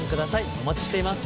お待ちしています。